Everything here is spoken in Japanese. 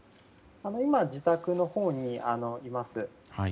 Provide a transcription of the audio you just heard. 今、自宅のほうにいます。